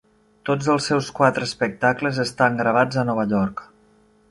Tots els seus quatre espectacles estan gravats a Nova York.